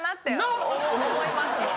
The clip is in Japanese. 思います。